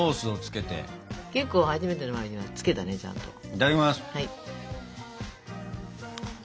いただきます！